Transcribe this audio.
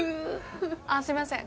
あっすみません。